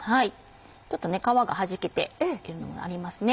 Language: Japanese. ちょっと皮がはじけてっていうのもありますね。